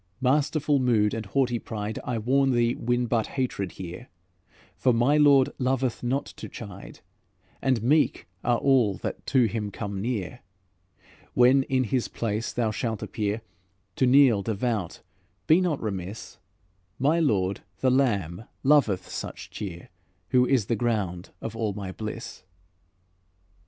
Masterful mood and haughty pride, I warn thee win but hatred here; For my Lord loveth not to chide And meek are all that to Him come near. When in His place thou shalt appear, To kneel devout be not remiss, My Lord the Lamb loveth such cheer, Who is the ground of all my bliss."